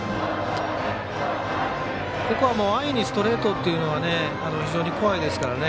ここは安易にストレートっていうのは非常に怖いですからね。